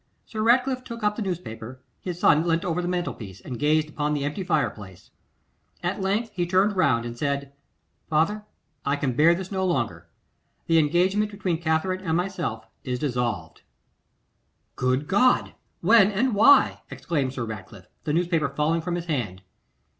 Sir Ratcliffe took up the newspaper; his son leant over the mantel piece, and gazed upon the empty fire place. At length he turned round and said, 'Father, I can bear this no longer; the engagement between Katherine and myself is dissolved.' [Illustration: page2 118.jpg] 'Good God! when, and why?' exclaimed Sir Ratcliffe, the newspaper falling from his hand.